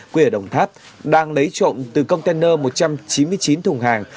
quê ở đồng tháp đang lấy trộm từ container một trăm chín mươi chín thùng hàng